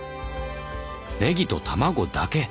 ねぎと卵だけ！